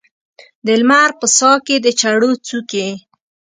د لمر په ساه کې د چړو څوکې